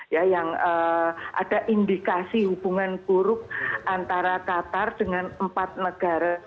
ya yang ada indikasi hubungan buruk antara qatar dengan empat negara